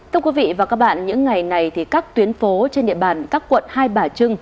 thưa quý vị và các bạn những ngày này thì các tuyến phố trên địa bàn các quận hai bà trưng